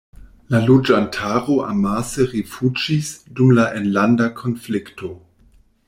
La loĝantaro amase rifuĝis dum la enlanda konflikto.